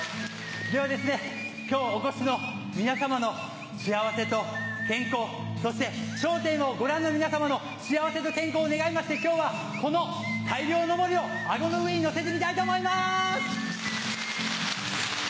では今日お越しの皆様の幸せと健康そして『笑点』をご覧の皆様の幸せと健康を願いまして今日はこの大漁のぼりを顎の上にのせてみたいと思います。